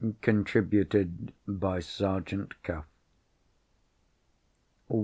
_Contributed by Sergeant Cuff.